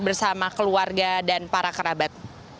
bersama keluarga dan para kerabat